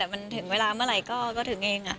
มันถึงเวลาเมื่อไหร่ก็ถึงเอง